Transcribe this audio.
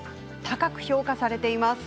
高く評価されています。